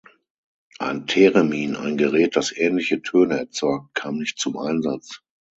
Ein Theremin, ein Gerät, das ähnliche Töne erzeugt, kam nicht zum Einsatz.